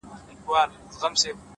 لکه باران اوس د هيندارو له کوڅې وځم;